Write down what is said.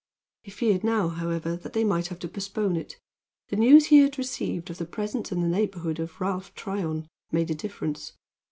He feared now, however, that they might have to postpone it. The news he had received of the presence in the neighborhood of Ralph Tryon made a difference.